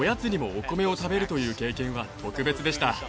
お米を食べるという経験は特別でした。